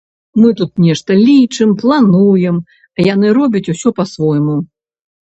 Мы тут нешта лічым, плануем, а яны робяць усё па-свойму.